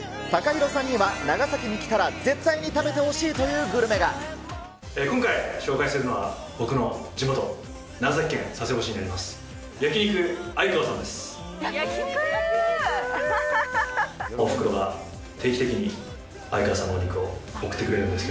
ＴＡＫＡＨＩＲＯさんには長崎に来たら絶対に食べてほしいという今回、紹介するのは僕の地元、長崎県佐世保市にあります